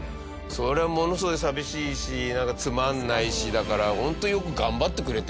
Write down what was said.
それはものすごい寂しいしなんかつまんないしだからホントよく頑張ってくれてますよね。